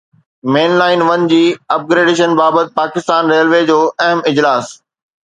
مين line one جي upgradation بابت Pakistan railway جو اهم اجلاس